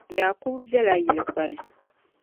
Yakubu be la yilikpani